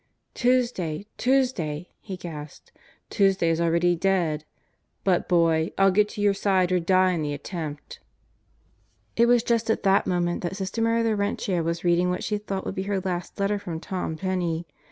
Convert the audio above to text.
"Tuesday, Tuesday," he gasped. "Tuesday is already dead! But, boy, I'll get to your side or die in the attempt!" It was just at that moment that Sister Mary Laurentia was reading what she thought would be her last letter from Tom Penney.